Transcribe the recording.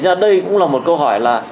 thật ra đây cũng là một câu hỏi là